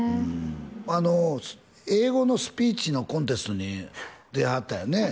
あの英語のスピーチのコンテストに出はったんやね